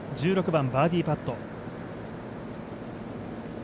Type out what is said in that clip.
１６番バーディーパット。